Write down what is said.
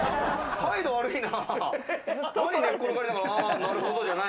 態度悪いな！